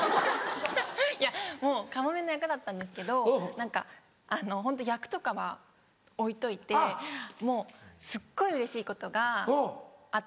いやもうカモメの役だったんですけど何かあのホント役とかは置いといてもうすっごいうれしいことがあったんです。